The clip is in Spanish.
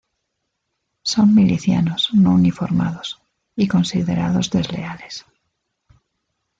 Son milicianos, no uniformados, y considerados desleales.